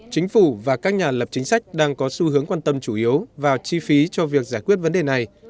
chính phủ và các nhà lập chính sách đang có xu hướng quan tâm chủ yếu vào chi phí cho việc giải quyết vấn đề này